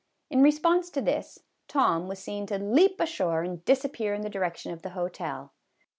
In response to this, Tom was seen to leap ashore and disappear in the direction of the hotel.